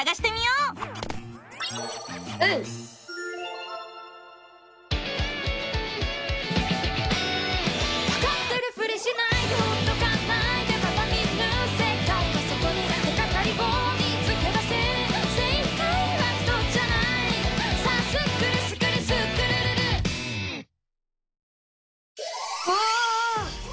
うわ！